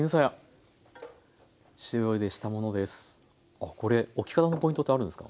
あっこれ置き方のポイントってあるんですか？